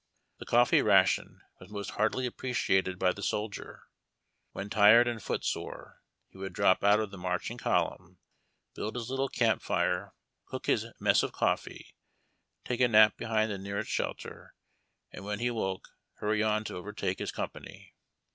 The coffee ration was most heartily ap})reciated by the soldier. When tired and foot sore, he would drop out of the marching column, build his little camp fire, cook his mess of coffee, take a nap behind the nearest shelter, and, when he woke, hurry on to overtake his company.